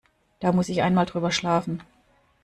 Da muss ich einmal drüber schlafen.